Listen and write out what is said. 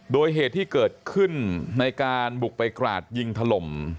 โดยเหตุที่เกิดขึ้นในการบุกไปกราดยิงถล่ม